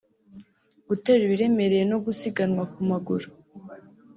guterura ibiremereye no gusiganwa ku maguru